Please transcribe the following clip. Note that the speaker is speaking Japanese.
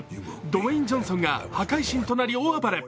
ドゥエイン・ジョンソンが破壊神となり、大暴れ。